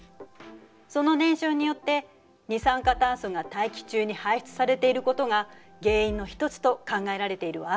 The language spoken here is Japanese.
その燃焼によって二酸化炭素が大気中に排出されていることが原因の一つと考えられているわ。